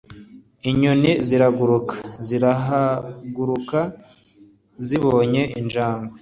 inyoni ziraguruka zirahaguruka zibonye injangwe